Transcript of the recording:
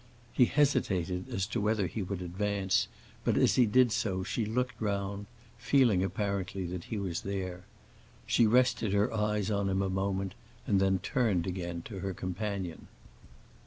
He hesitated as to whether he would advance, but as he did so she looked round, feeling apparently that he was there. She rested her eyes on him a moment and then turned again to her companion.